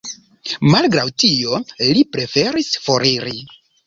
Malgraŭ tio, li preferis foriri.